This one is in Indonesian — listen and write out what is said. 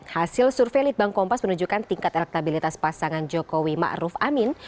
hasil survei litbang kompas menunjukkan tingkat elektabilitas pasangan jokowi ma'ruf amin